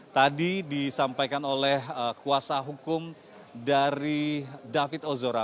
tadi disampaikan oleh kuasa hukum dari david ozora